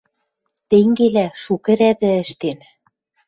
Тенгелӓ шукы рӓдӹ ӹштен.